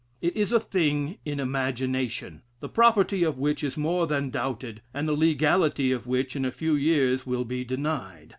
It is a thing in imagination, the property of which is more than doubted, and the legality of which in a few years will be denied.